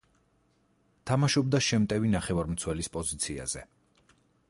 თამაშობდა შემტევი ნახევარმცველის პოზიციაზე.